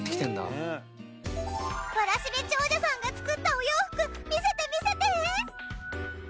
わらしべ長者さんが作ったお洋服見せて見せて！